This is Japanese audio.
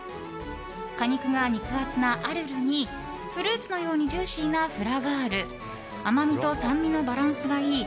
果肉が肉厚なアルルにフルーツのようにジューシーなフラガール甘みと酸味のバランスがいい